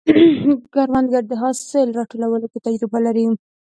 کروندګر د حاصل راټولولو کې تجربه لري